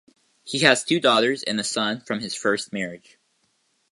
He has two daughters and a son from his first marriage.